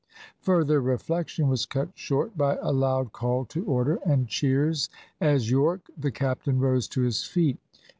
Further reflection was cut short by a loud call to order and cheers, as Yorke, the captain, rose to his feet.